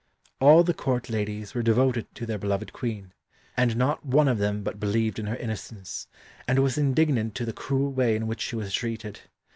All the Court ladies were devoted to their beloved Queen, and not one of them but believed in her innocence, and was indignant at the cruel way in which she was treated.